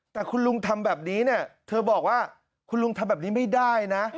แต่คุณลุงทำแบบนี้เนี่ยเธอบอกว่าคุณลุงทำแบบนี้ไม่ได้นะ